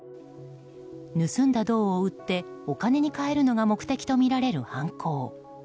盗んだ銅を売ってお金に換えるのが目的とみられる犯行。